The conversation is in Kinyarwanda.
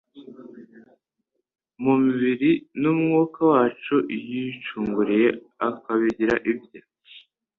mu mibiri n’umwuka wacu yicunguriye akabigira ibye.